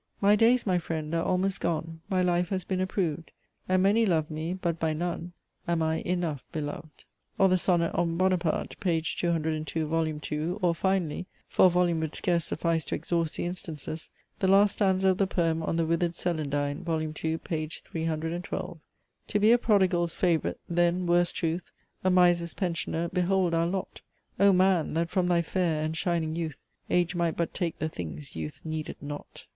My days, my Friend, are almost gone, My life has been approved, And many love me; but by none Am I enough beloved;" or the sonnet on Buonaparte, page 202, vol. II. or finally (for a volume would scarce suffice to exhaust the instances,) the last stanza of the poem on the withered Celandine, vol. II. p. 312. "To be a Prodigal's Favorite then, worse truth, A Miser's Pensioner behold our lot! O Man! That from thy fair and shining youth Age might but take the things Youth needed not."